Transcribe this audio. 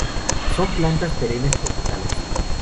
Son plantas perennes tropicales.